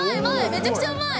めちゃくちゃうまい。